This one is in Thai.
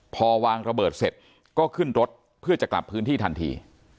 พอวางระเบิดเสร็จก็ขึ้นรถเพื่อจะกลับพื้นที่ทันที